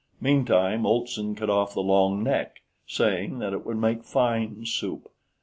Meantime Olson cut off the long neck, saying that it would make fine soup.